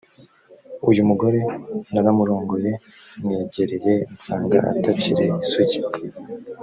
uyu mugore naramurongoye, mwegereye nsanga atakiri isugi